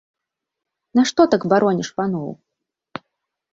Нашто так бароніш паноў?